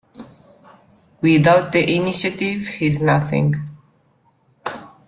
Without the Initiative, he's nothing.